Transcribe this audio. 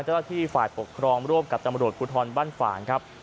เจ้าหน้าที่ฝ่ายปกครองร่วมกับตำรวจภูทรบ้านฝ่างครับ